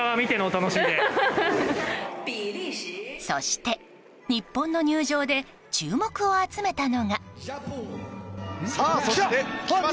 そして日本の入場で注目を集めたのが。